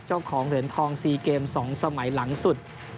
เจ้าของเหรียญทอง๔เกม๒สมัยหลังสุด